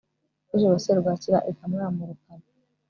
nijoro serwakira ikamwamurukana